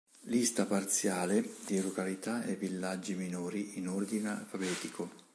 Lista parziale di località e villaggi minori in ordine alfabetico.